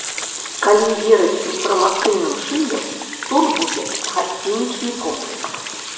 Калі верыць інфармацыйным шыльдам, тут будзе гасцінічны комплекс.